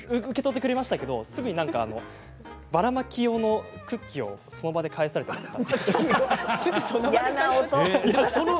受け取ってくれましたがすぐにばらまき用のクッキーをその場で返されました。